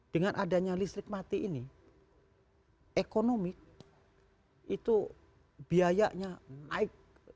dengan adanya listrik mati ini ekonomi itu biayanya naik